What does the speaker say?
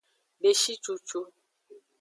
Beshi cucu.